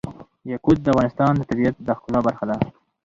یاقوت د افغانستان د طبیعت د ښکلا برخه ده.